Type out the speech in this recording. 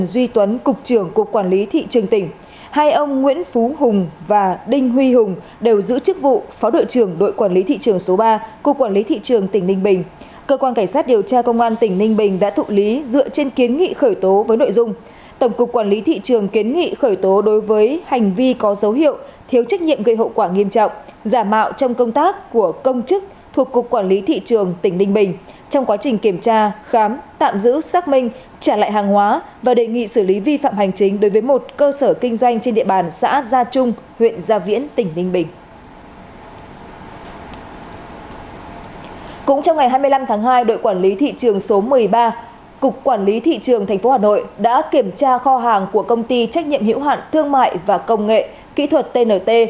sau ngày hai mươi năm tháng hai đội quản lý thị trường số một mươi ba cục quản lý thị trường tp hà nội đã kiểm tra kho hàng của công ty trách nhiệm hiểu hạn thương mại và công nghệ kỹ thuật tnt